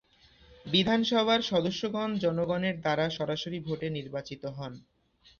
বিধানসভার সদস্যগণ জনগণের দ্বারা সরাসরি ভোটে নির্বাচিত হন।